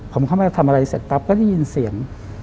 ผมเข้ามาทำอะไรเสร็จปั๊บก็ได้ยินเสียง